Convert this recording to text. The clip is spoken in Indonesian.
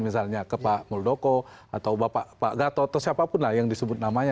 misalnya ke pak muldoko atau pak gatot atau siapapun lah yang disebut namanya